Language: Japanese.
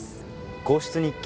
『皇室日記』